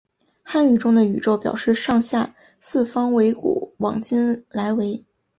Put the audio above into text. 汉语中的宇宙表示上下四方为古往今来为。